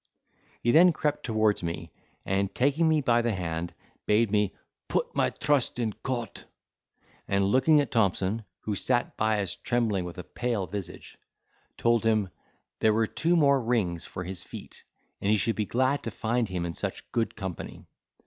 He then crept towards me, and, taking me by the hand, bade me "put my trust in Cot." And looking at Thompson, who sat by us trembling, with a pale visage; told him there were two more rings for his feet, and he should be glad to find him in such good company.